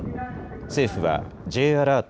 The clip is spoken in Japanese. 政府はＪアラート